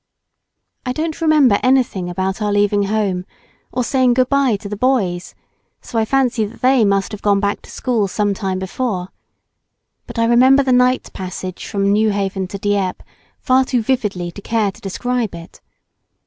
I don't remember anything about our leaving home, or saying good bye to the boys; so I fancy that they must have gone back to school some time before; but I remember the night passage from Newhaven to Dieppe far too vividly to care to describe it.